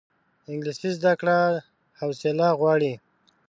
انګلیسي زده کړه حوصله غواړي